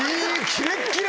キレッキレ！